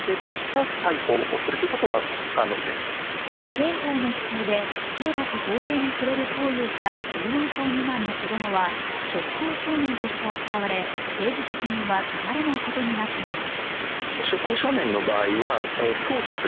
刑法の規定で刑罰法令に触れる行為をした１４歳未満の子供は触法少年として扱われ、刑事責任は問われないことになっています。